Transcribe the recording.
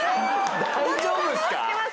大丈夫ですか？